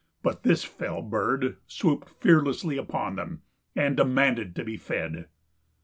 But this fell bird swooped fearlessly upon them and demanded to be fed.